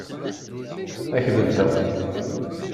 Ad k-beddeɣ.